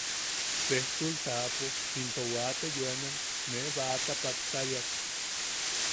Sejtul taʼapo into waate yoemem nee baʼata pattariak,.